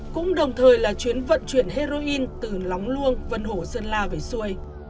cũng đồng thời là chuyến vận chuyển heroin từ lóng luông vân hổ sơn la về xuây